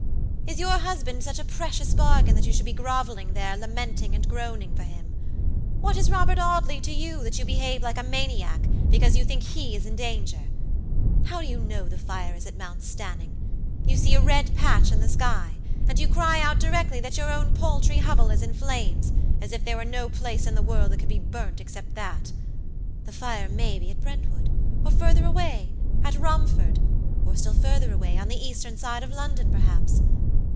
Is your husband such a precious bargain that you should be groveling there, lamenting and groaning for him? What is Robert Audley to you, that you behave like a maniac, because you think he is in danger? How do you know the fire is at Mount Stanning? You see a red patch in the sky, and you cry out directly that your own paltry hovel is in flames, as if there were no place in the world that could burn except that. The fire may be at Brentwood, or further awayat Romford, or still further away, on the eastern side of London, perhaps.